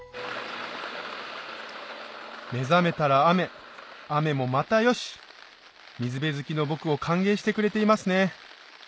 目覚めたら雨雨もまたよし水辺好きの僕を歓迎してくれていますね